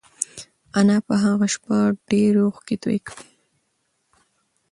انا په هغه شپه ډېرې اوښکې تویې کړې.